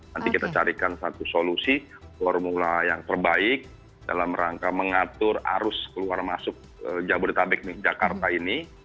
nanti kita carikan satu solusi formula yang terbaik dalam rangka mengatur arus keluar masuk jabodetabek jakarta ini